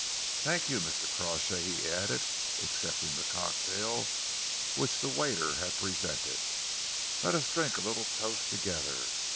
Thank you, Mr. Crawshay," he added, accepting the cocktail which the waiter had presented. "Let us drink a little toast together.